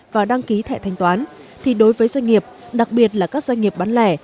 và đăng ký thẻ thanh toán thì đối với doanh nghiệp đặc biệt là các doanh nghiệp bán lẻ